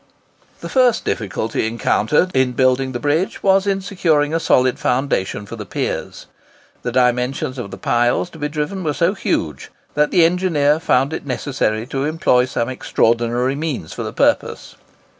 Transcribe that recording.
The first difficulty encountered in building the bridge was in securing a solid foundation for the piers. The dimensions of the piles to be driven were so huge, that the engineer found it necessary to employ some extraordinary means for the purpose.